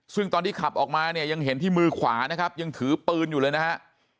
ซึ่งตอนที่ขับออกมาเนี่ยยังเห็นที่มือขวานะครับยังถือปืนอยู่เลยนะฮะ